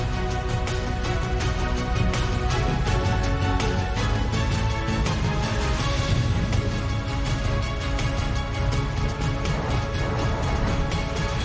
โปรดติดตามตอนต่อไป